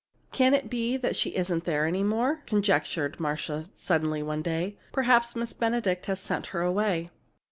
"Can it be that she isn't there any more?" conjectured Marcia, suddenly, one day. "Perhaps Miss Benedict has sent her away!"